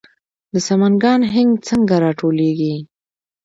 د سمنګان هنګ څنګه راټولیږي؟